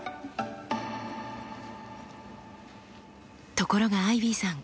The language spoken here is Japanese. ところがアイビーさん